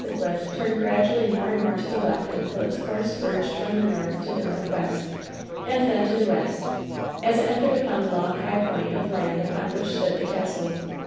the cliff, turned gradually more and more to the left until its course verged from the north to the northwest, and then to the west, as it entered upon the long, high point of land upon which stood the castle.